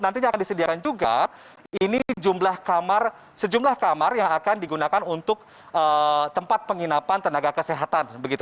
nantinya akan disediakan juga ini sejumlah kamar yang akan digunakan untuk tempat penginapan tenaga kesehatan